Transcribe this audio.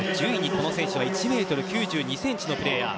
この選手は１ｍ９２ｃｍのプレーヤー。